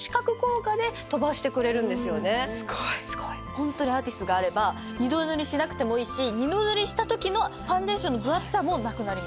ホントにアーティスがあれば二度塗りしなくてもいいし二度塗りしたときのファンデーションの分厚さもなくなります。